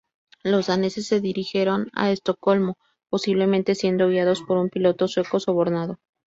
Los daneses se dirigieron a Estocolmo, posiblemente siendo guiados por un piloto sueco sobornado.